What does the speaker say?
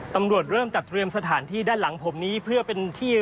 ตำรวจเริ่มจัดเตรียมสถานที่ด้านหลังผมนี้เพื่อเป็นที่